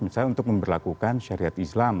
misalnya untuk memperlakukan syariat islam